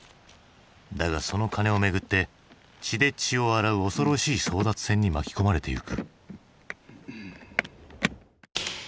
だがそのカネをめぐって血で血を洗う恐ろしい争奪戦に巻き込まれてゆく。